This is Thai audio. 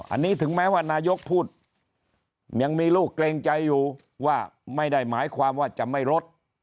อันนี้ถึงแม้ว่านายกพูดยังมีลูกเกรงใจอยู่ว่าไม่ได้หมายความว่าจะไม่ลด